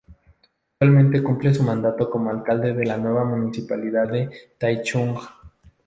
Actualmente cumple su mandato como alcalde de la nueva Municipalidad de Taichung.